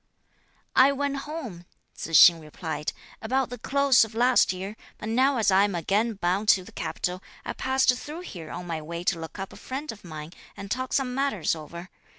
"I went home," Tzu hsing replied, "about the close of last year, but now as I am again bound to the capital, I passed through here on my way to look up a friend of mine and talk some matters over.